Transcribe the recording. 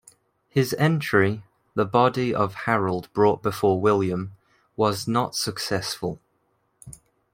His entry, "The Body of Harold Brought before William", was not successful.